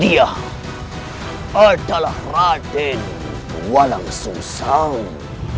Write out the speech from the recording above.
dia adalah raden walang susang